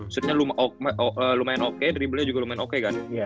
shootnya lumayan oke dribblenya juga lumayan oke kan